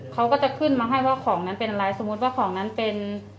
เขาก็จะขึ้นมาให้ว่าของนั้นเป็นอะไรสมมุติว่าของนั้นเป็น